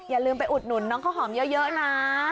อย่าลืมไปอุดหนุนน้องข้าวหอมเยอะนะ